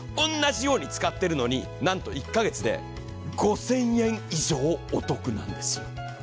同じように使ってるのになんと１カ月で５０００円以上お得なんですよ。